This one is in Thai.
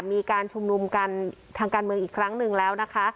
มีการชุมนุมกันทางการเมืองอีกครั้งหนึ่งแล้วนะคะ